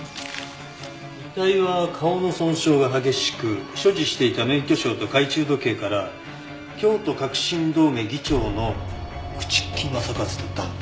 遺体は顔の損傷が激しく所持していた免許証と懐中時計から京都革新同盟議長の朽木政一と断定。